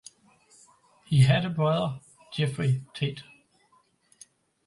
He had a brother, Geoffrey Tate.